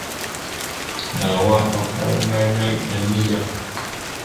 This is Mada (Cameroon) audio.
Nawa afalaŋa yaŋ enida.